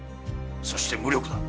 そして無力だ。